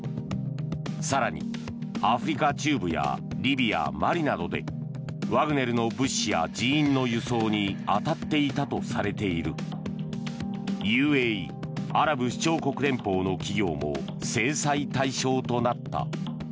更に、アフリカ中部やリビア、マリなどでワグネルの物資や人員の輸送に当たっていたとされているＵＡＥ・アラブ首長国連邦の企業も制裁対象となった。